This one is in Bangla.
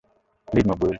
প্লীজ, মকবুল।